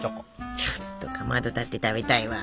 ちょっとかまどだって食べたいわ。